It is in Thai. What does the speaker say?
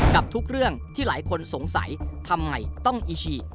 กับทุกเรื่องที่หลายคนสงสัยทำไมต้องอิชิ